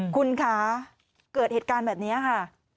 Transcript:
คุณคะเกิดเหตุการณ์แบบนี้ค่ะ